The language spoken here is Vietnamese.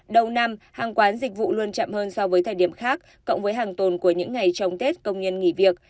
đầu năm hàng quán dịch vụ luôn chậm hơn so với thời điểm khác cộng với hàng tồn của những ngày trong tết công nhân nghỉ việc